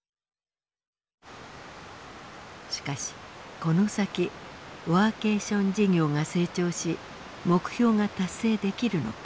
しかしこの先ワーケーション事業が成長し目標が達成できるのか。